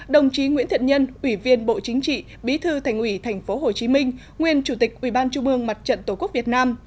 đồng chí nguyễn thiện nhân ủy viên bộ chính trị bí thư thành ủy tp hcm nguyên chủ tịch ủy ban trung mương mặt trận tổ quốc việt nam